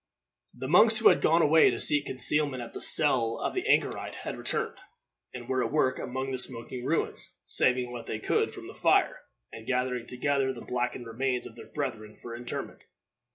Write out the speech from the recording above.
The monks who had gone away to seek concealment at the cell of the anchorite had returned, and were at work among the smoking ruins, saving what they could from the fire, and gathering together the blackened remains of their brethren for interment.